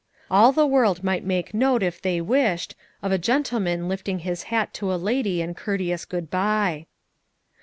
All the world might make note if they wished, of a gentleman lifting his hat to a lady in courteous good bye.